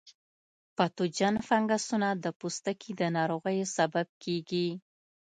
پتوجن فنګسونه د پوستکي د ناروغیو سبب کیږي.